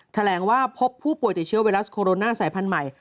แถลงว่าพบผู้ป่วยติดเชื้อไวรัสโคโรนาสายพันธุ์ใหม่